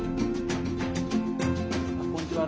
こんにちは。